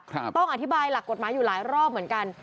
ต้องอธิบายหลักกฎหมายอยู่หลายรอบเหมือนกัน